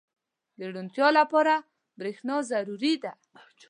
• د روڼتیا لپاره برېښنا ضروري ده.